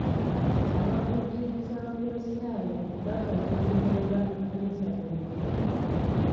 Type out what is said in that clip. Abavvujjirizi abakulisitaayo bagaba okuyamba ekkanisa bulijjo.